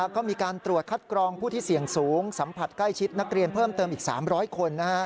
ก็มีการตรวจคัดกรองผู้ที่เสี่ยงสูงสัมผัสใกล้ชิดนักเรียนเพิ่มเติมอีก๓๐๐คน